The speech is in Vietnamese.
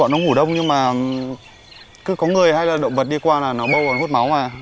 nhưng mà cứ có người hay là động vật đi qua là nó bâu và hút máu mà